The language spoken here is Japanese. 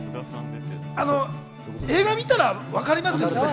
映画見たらわかります。